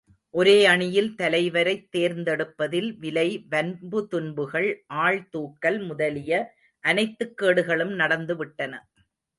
ஒரே அணியில் தலைவரைத் தேர்ந்தெடுப்பதில் விலை, வன்புதுன்புகள் ஆள் தூக்கல் முதலிய அனைத்துக் கேடுகளும் நடந்து விட்டன.